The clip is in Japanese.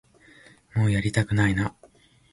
もうやりたくないな